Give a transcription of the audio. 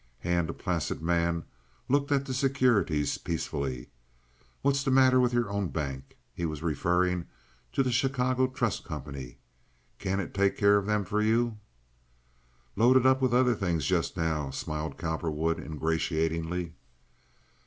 Hand, a placid man, looked at the securities peacefully. "What's the matter with your own bank?" He was referring to the Chicago Trust Company. "Can't it take care of them for you?" "Loaded up with other things just now," smiled Cowperwood, ingratiatingly.